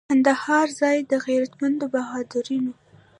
کندهار ځای د غیرتمنو بهادرانو.